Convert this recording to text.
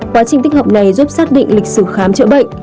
quá trình tích hợp này giúp xác định lịch sử khám chữa bệnh